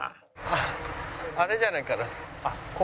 あっあれじゃないかな？